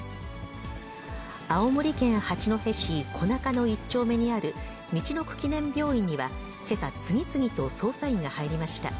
青森県八戸市小中野１丁目にあるみちのく記念病院には、けさ、次々と捜査員が入りました。